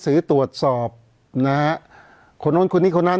เพราะฉะนั้นประชาธิปไตยเนี่ยคือการยอมรับความเห็นที่แตกต่าง